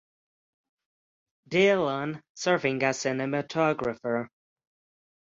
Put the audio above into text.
Dillon serving as cinematographer.